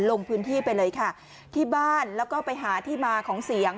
ลงพื้นที่ไปเลยค่ะที่บ้านแล้วก็ไปหาที่มาของเสียง